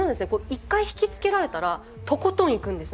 一回引き付けられたらとことんいくんですね。